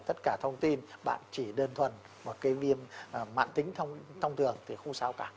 tất cả thông tin bạn chỉ đơn thuần một cái viêm mạng tính thông thường thì không sao cả